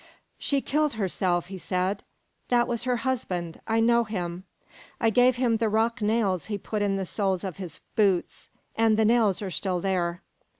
"She killed herself," he said. "That was her husband. I know him. I gave him the rock nails he put in the soles of his boots and the nails are still there."